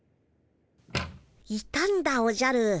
いたんだおじゃる。